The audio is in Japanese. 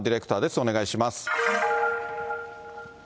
お願いします。